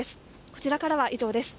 こちらからは以上です。